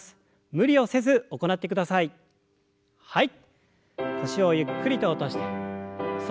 無理をせず行ってください。